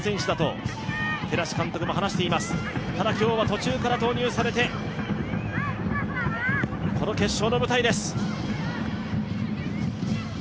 ただ今日は途中から投入されて、この決勝の舞台です。